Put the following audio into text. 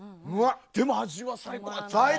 でも、味は最高！